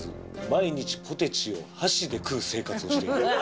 「毎日ポテチを箸で食う生活をしている。」